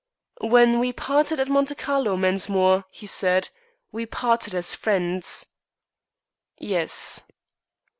"When we parted at Monte Carlo, Mensmore," he said, "we parted as friends." "Yes."